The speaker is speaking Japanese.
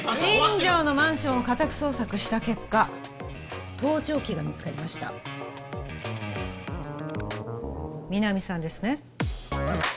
新城のマンションを家宅捜索した結果盗聴器が見つかりました皆実さんですね